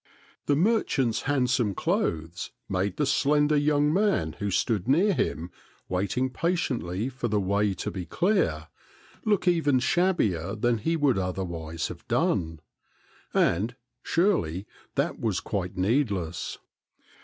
The merchant's handsome clothes made the slender young man who stood near him, waiting patiently for the way to be clear, look even shabbier than he would otherwise have done ; and, surely, that was quite need less.